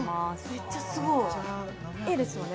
メッチャすごいいいですよね